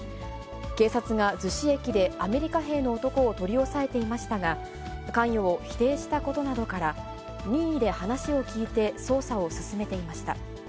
警察が逗子駅でアメリカ兵の男を取り押さえていましたが、関与を否定したことなどから、任意で話を聞いて捜査を進めていました。